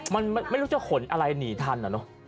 มันไม่รู้จะขนอะไรหนีทันอ่ะเนอะ